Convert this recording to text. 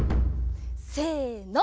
せの。